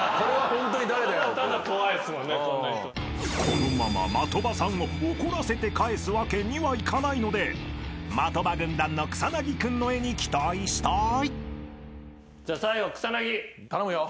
［このまま的場さんを怒らせて帰すわけにはいかないので的場軍団の草薙君の絵に期待したい］頼むよ。